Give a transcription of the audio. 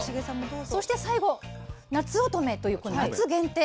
そして最後なつおとめというこの夏限定。